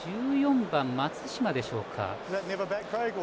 １４番、松島でしょうか。